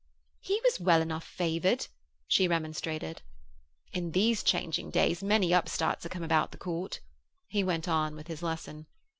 'He was well enough favoured,' she remonstrated. 'In these changing days many upstarts are come about the Court,' he went on with his lesson.